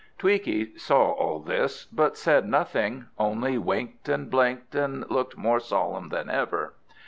Tweaky saw all this, but said nothing, only winked and blinked, and looked more solemn than ever.